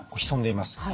潜んでいます。